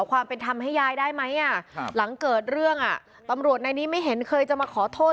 ความเป็นธรรมให้ยายได้ไหมหลังเกิดเรื่องอ่ะตำรวจในนี้ไม่เห็นเคยจะมาขอโทษ